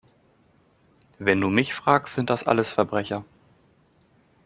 Wenn du mich fragst, sind das alles Verbrecher!